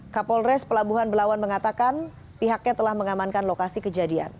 kapolres pelabuhan belawan mengatakan pihaknya telah mengamankan lokasi kejadian